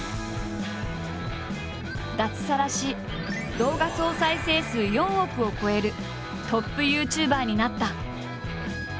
脱サラし動画総再生数４億を超えるトップＹｏｕＴｕｂｅｒになった。